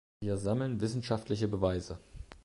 Wir sammeln wissenschaftliche Beweise.